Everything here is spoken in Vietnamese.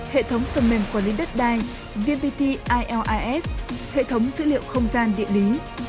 hệ thống phần mềm quản lý đất đai vnpt is hệ thống dữ liệu không gian địa lý